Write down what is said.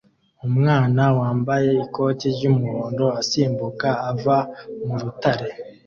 Umwana wambaye ikoti ry'umuhondo asimbuka ava mu rutare